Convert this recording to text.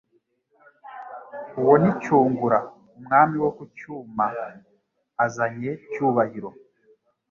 Uwo ni Cyungura Umwami wo ku Cyuma Azanye Cyubahiro*,